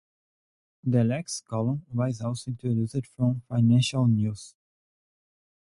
The "Lex" column was also introduced from "Financial News".